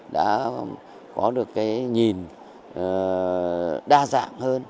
đã có được cái nhìn đa dạng